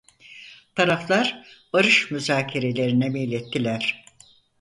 Taraflar barış müzakerelerine meylettiler.